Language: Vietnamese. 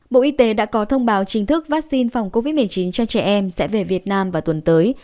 bộ y tế đã có thông báo chính thức vaccine phòng covid một mươi chín cho trẻ em sẽ về việt nam vào tuần tới